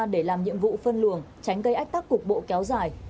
để giúp người dân di chuyển đến nơi an toàn